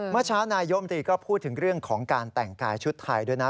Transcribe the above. เมื่อเช้านายมตรีก็พูดถึงเรื่องของการแต่งกายชุดไทยด้วยนะ